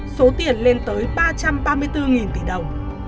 số tiền lên tới ba trăm ba mươi bốn tỷ đồng